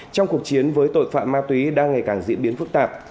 trong cuộc chiến với tội phạm ma túy đang ngày càng diễn biến phức tạp